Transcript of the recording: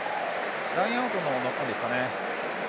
ラインアウトのところですかね。